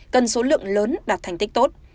cần số lượng lớn đạt thành tích tốt